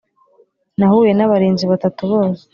Nahuye n’abarinzi batatu bose